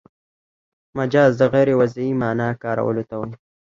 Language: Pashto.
مجاز د غیر وضعي مانا کارولو ته وايي.